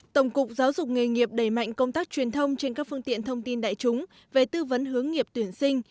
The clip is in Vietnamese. tổng cục giáo dục nghề nghiệp đẩy mạnh công tác truyền thông trên các phương tiện thông tin đại chúng về tư vấn hướng nghiệp tuyển sinh